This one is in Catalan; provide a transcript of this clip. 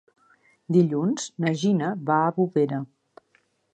Dilluns na Gina va a Bovera.